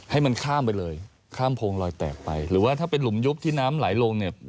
ให้มันข้ามไปเลยข้ามโพงลอยแตกไปหรือว่าถ้าเป็นหลุมยุบที่น้ำไหลลงเนี่ย